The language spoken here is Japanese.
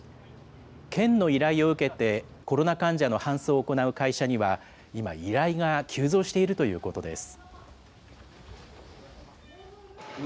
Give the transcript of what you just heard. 県の依頼を受けて、コロナ患者の搬送を行う会社には、今、依頼が急増しているということです。